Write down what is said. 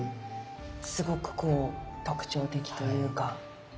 すごくこう特徴的というか。